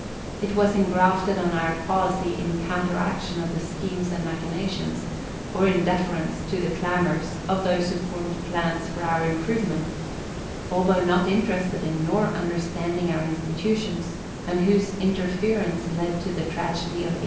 It was engrafted on our policy in counteraction of the schemes and machinations, or in deference to the clamors, of those who formed plans for our improvement, although not interested in nor understanding our institutions, and whose interference led to the tragedy of 1822.